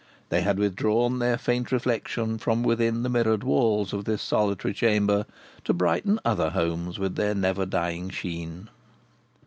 They had withdrawn their faint reflection from within the mirrored walls of this solitary chamber to brighten other homes with their never dying sheen.